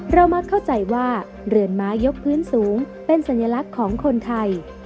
มักเข้าใจว่าเรือนไม้ยกพื้นสูงเป็นสัญลักษณ์ของคนไทย